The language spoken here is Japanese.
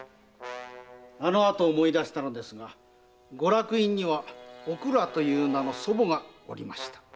あのあと思い出したのですがご落胤には「おくら」という名の祖母がおりました。